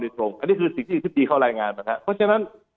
อันนี้คือสิ่งที่เขาลายงานมาฮะเพราะฉะนั้น